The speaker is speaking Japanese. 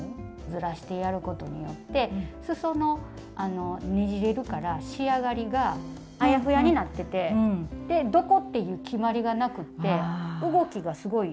ずらしてやることによってすそのねじれるから仕上がりがあやふやになっててでどこっていう決まりがなくって動きがすごい。